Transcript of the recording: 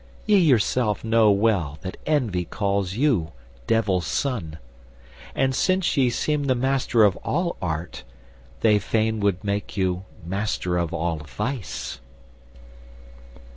ye yourself Know well that Envy calls you Devil's son, And since ye seem the Master of all Art, They fain would make you Master of all vice."